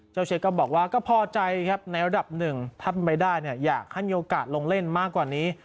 เชฟก็บอกว่าก็พอใจครับในระดับหนึ่งถ้าเป็นไปได้เนี่ยอยากให้มีโอกาสลงเล่นมากกว่านี้